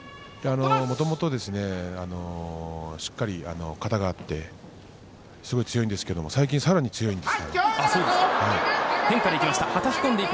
もともとはしっかり形があってすごい強いんですけど最近さらに強いです。